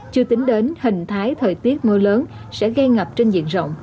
chưa tính đến hình thái thời tiết mưa lớn sẽ gây ngập trên diện rộng